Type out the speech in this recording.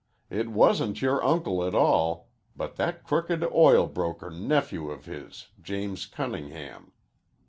It wasnt your uncle at all but that crooked oil broker nephew of his James Cunningham.